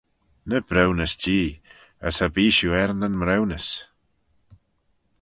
Ny briwnys-jee, as cha bee shiu er nyn mriwnys.